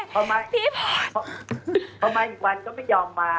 อ๋อฏาให้เองตี้ให้ไหม